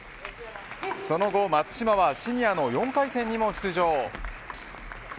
その後、松島はシニアの４回戦にも出場。